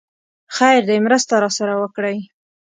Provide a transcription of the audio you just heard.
خير دی! مرسته راسره وکړئ!